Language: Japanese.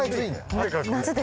はい。